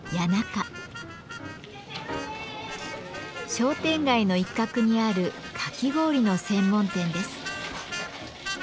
商店街の一角にあるかき氷の専門店です。